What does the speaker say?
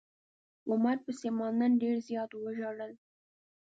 عمر پسې ما نن ډير زيات وژړل.